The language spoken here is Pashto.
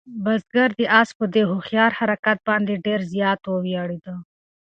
بزګر د آس په دې هوښیار حرکت باندې ډېر زیات وویاړېده.